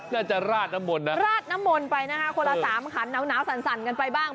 น่าจะราดน้ำมนต์นะราดน้ำมนต์ไปนะคะคนละสามขันหนาวสั่นกันไปบ้าง